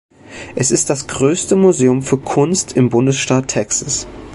Es ist das größte Museum für Kunst im Bundesstaat Texas.